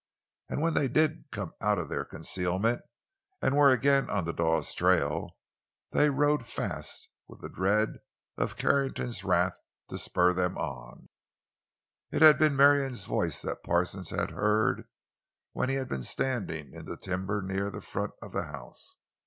And when they did come out of their concealment and were again on the Dawes trail, they rode fast, with the dread of Carrington's wrath to spur them on. It had been Martha's voice that Parsons had heard when he had been standing in the timber near the front of the house.